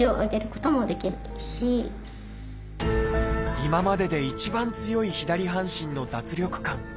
今までで一番強い左半身の脱力感。